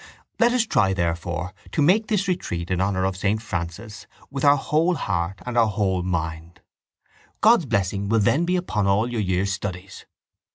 —Let us try, therefore, to make this retreat in honour of saint Francis with our whole heart and our whole mind. God's blessing will then be upon all your year's studies.